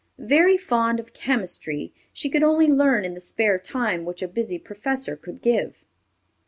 Very fond of chemistry, she could only learn in the spare time which a busy professor could give.